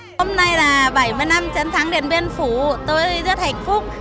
hôm nay là bảy mươi năm chiến thắng điện biên phủ tôi rất hạnh phúc